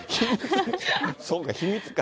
そうか、秘密か。